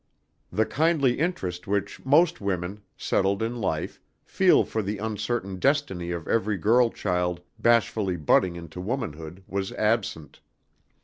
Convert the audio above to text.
The kindly interest which most women, settled in life, feel for the uncertain destiny of every girl child bashfully budding into womanhood was absent.